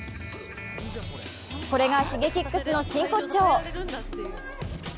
これがＳｈｉｇｅｋｉｘの真骨頂。